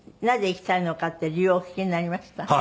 なぜ行きたいのかって理由をお聞きになりました？